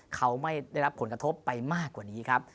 เขาไม่ได้รับผลกระทบไปมากกว่านี้ครับ